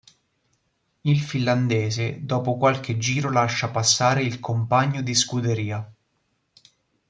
Il finlandese dopo qualche giro lascia passare il compagno di scuderia.